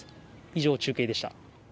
以上、中継でした。